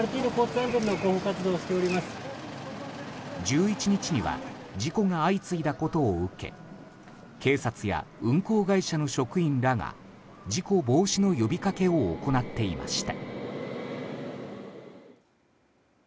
１１日には事故が相次いだことを受け警察や運行会社の職員らが事故防止の呼びかけを行っていました。